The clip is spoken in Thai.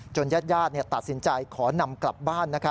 ญาติตัดสินใจขอนำกลับบ้าน